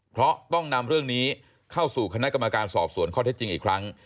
เพราะต้องนำเรื่องนี้เข้าสู่คณะกรรมการสอบสวนข้อเท็จจริงอีกครั้ง